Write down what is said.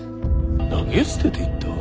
投げ捨てていった？